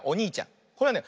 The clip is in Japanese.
これはね